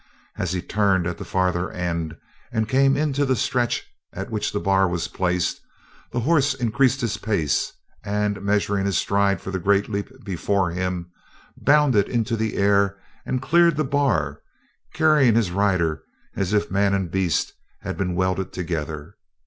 As he turned at the farther end and came into the stretch at which the bar was placed, the horse increased his pace and measuring his stride for the great leap before him, bounded into the air and cleared the bar, carrying his rider as if man and beast had been welded together.